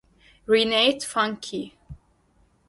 Renate Funke.